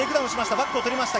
バックを取りました。